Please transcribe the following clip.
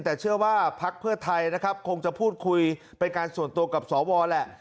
แต่เชื่อว่าพักเพื่อไทยนะครับคงจะพูดคุยเป็นการส่วนตัวกับสวแหละ